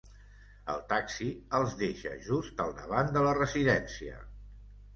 El taxi els deixa just al davant de la residència.